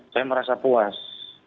saya merasa puas